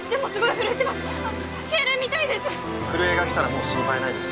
震えが来たらもう心配ないです。